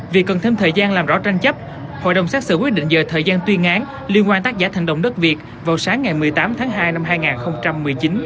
vì cần thêm thời gian làm rõ tranh chấp hội đồng xét xử quyết định giờ thời gian tuyên án liên quan tác giả thành động đất việt vào sáng ngày một mươi tám tháng hai năm hai nghìn một mươi chín